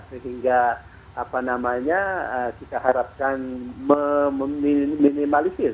sehingga apa namanya kita harapkan meminimalisir